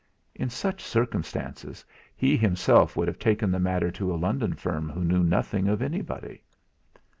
In such circumstances he himself would have taken the matter to a London firm who knew nothing of anybody.